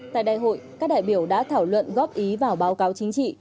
tại đại hội các đại biểu đã thảo luận góp ý vào báo cáo chính trị